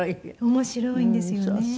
面白いんですよね